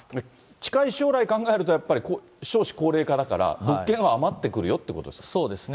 近い将来考えるとやっぱり、少子高齢化だから、物件は余ってくるよということですね。